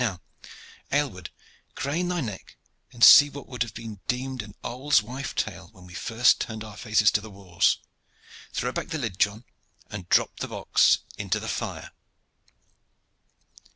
Now, Aylward, crane thy neck and see what would have been deemed an old wife's tale when we first turned our faces to the wars. Throw back the lid, John, and drop the box into the fire!"